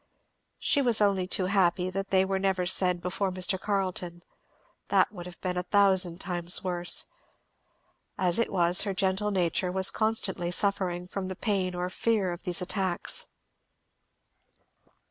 She was only too happy that they were never said before Mr. Carleton; that would have been a thousand times worse. As it was, her gentle nature was constantly suffering from the pain or the fear of these attacks.